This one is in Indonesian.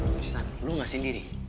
tristan lu gak sendiri